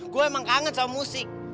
gue emang kangen sama musik